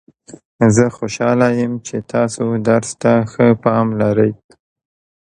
زه خوشحاله یم چې تاسو درس ته ښه پام لرئ